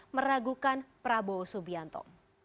meragukan prabowo subianto